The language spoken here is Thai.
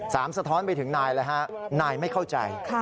สะท้อนไปถึงนายเลยฮะนายไม่เข้าใจ